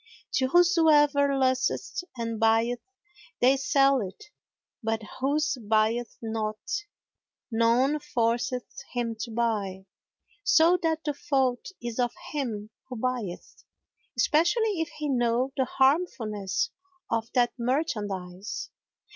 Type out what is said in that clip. To whosoever lusteth and buyeth, they sell it, but whoso buyeth not, none forceth him to buy; so that the fault is of him who buyeth, especially if he know the harmfulness of that merchandise.